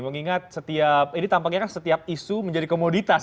mengingat setiap ini tampaknya kan setiap isu menjadi komoditas